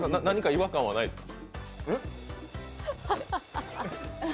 違和感はないですか？